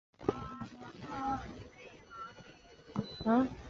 掌叶花烛为天南星科花烛属下的一个种。